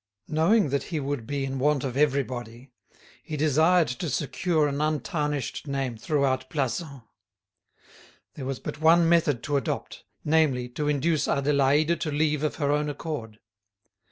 Knowing that he would be in want of everybody, he desired to secure an untarnished name throughout Plassans. There was but one method to adopt, namely, to induce Adélaïde to leave of her own accord.